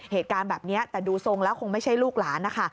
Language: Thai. เหตุการณ์แบบนี้แต่ดูทรงแล้วคงไม่ใช่ลูกหลานนะคะ